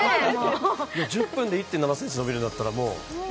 １０分で１．７ｃｍ伸びるんだったら、もう。